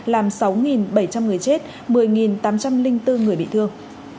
làm sáu bảy trăm linh người chết một mươi tám trăm linh bốn người bị thương